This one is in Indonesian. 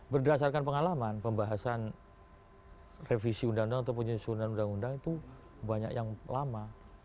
berdasarkan pengalaman pembahasan revisi ru atau penyusunan ru itu banyak yang lama